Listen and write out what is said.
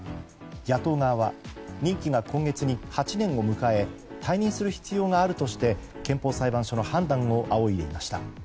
野党側は任期が今月に８年を迎え退任する必要があるとして憲法裁判所の判断を仰いでいました。